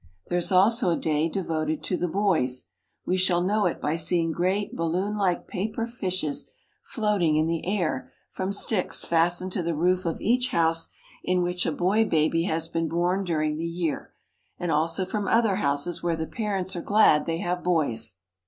There is also a day devoted to the boys. We shall know it by seeing great balloonlike paper fishes floating in the CARP. ASIA — 5 74 JAPAN air from sticks fastened to the roof of each house in which a boy baby has been born during the year, and also from other houses where the parents are glad they have boys.